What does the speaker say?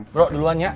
bro duluan ya